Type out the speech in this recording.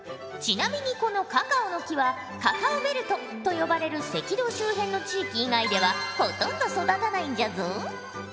ちなみにこのカカオの木はカカオベルトと呼ばれる赤道周辺の地域以外ではほとんど育たないんじゃぞ。